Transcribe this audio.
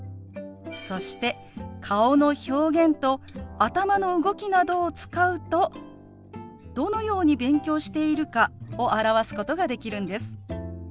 そして顔の表現と頭の動きなどを使うとどのように勉強しているかを表すことができるんです。